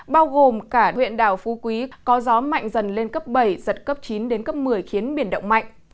bao gồm cả huyện đảo phú quý có gió mạnh dần lên cấp bảy giật cấp chín đến cấp một mươi khiến biển động mạnh